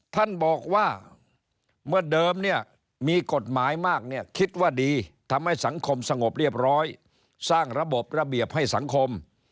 ท่านบอกว่าเมื่อเดิมเนี่ยมีกฎหมายมากเนี่ยคิดว่าดีทำให้สังคมสงบเรียบร้อยสร้างระบบระเบียบให้สังคม